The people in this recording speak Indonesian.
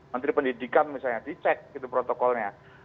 menteri pendidikan misalnya dicek gitu protokolnya